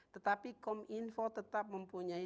tetapi kom info tetap mempunyai